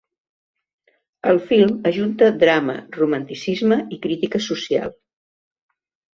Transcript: El film ajunta drama, romanticisme i crítica social.